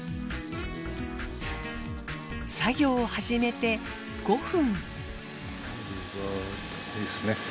作業を始めて５分。